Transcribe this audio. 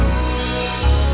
mak udah mak